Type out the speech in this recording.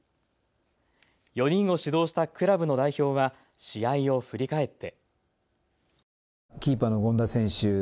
４人を指導したクラブの代表は試合を振り返って。